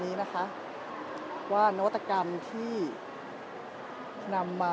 เดี๋ยวจะให้ดูว่าค่ายมิซูบิชิเป็นอะไรนะคะ